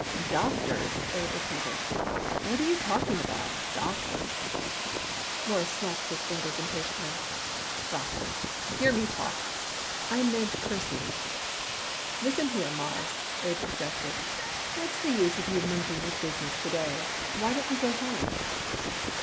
"Doctors?" Abe repeated. "What are you talking about doctors?" Morris snapped his fingers impatiently. "Doctors! Hear me talk!" he cried. "I meant kerseys." "Listen here, Mawruss," Abe suggested. "What's the use you monkeying with business to day? Why don't you go home?"